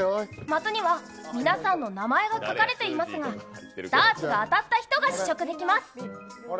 的には皆さんの名前が書かれていますが、ダーツが当たった人が試食できます。